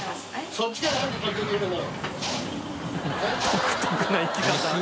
独特な行き方